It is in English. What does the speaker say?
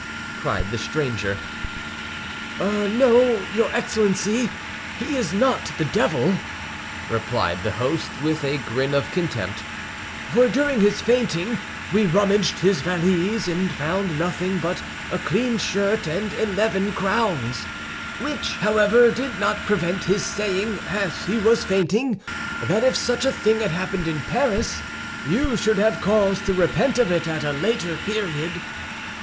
cried the stranger. "Oh, no, your Excellency, he is not the devil," replied the host, with a grin of contempt; "for during his fainting we rummaged his valise and found nothing but a clean shirt and eleven crowns—which however, did not prevent his saying, as he was fainting, that if such a thing had happened in Paris, you should have cause to repent of it at a later period."